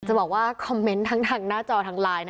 จะบอกว่าคอมเมนต์ทั้งทางหน้าจอทางไลน์